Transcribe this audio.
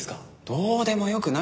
どうでもよくないよ。